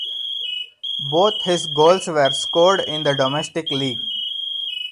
Both his goals were scored in the domestic league.